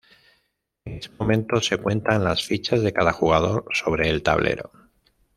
En ese momento se cuentan las fichas de cada jugador sobre el tablero.